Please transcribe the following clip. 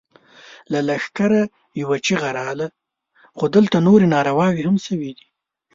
له لښکره يوه چيغه راغله! خو دلته نورې نارواوې هم شوې دي.